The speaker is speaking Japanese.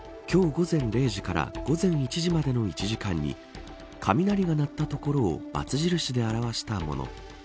これは今日午前０時から午前１時までの１時間に雷が鳴った所をバツ印で表したもの。